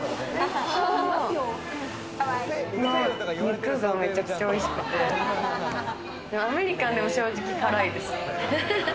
肉がめちゃくちゃ美味しくて、アメリカンでも正直辛いです。